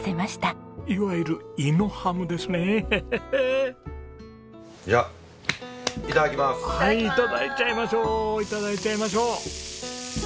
はい頂いちゃいましょう頂いちゃいましょう！